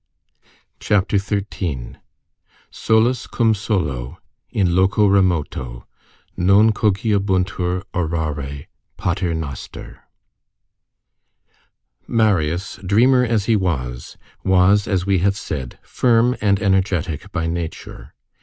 CHAPTER XIII—SOLUS CUM SOLO, IN LOCO REMOTO, NON COGITABUNTUR ORARE PATER NOSTER Marius, dreamer as he was, was, as we have said, firm and energetic by nature.